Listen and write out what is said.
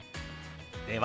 では。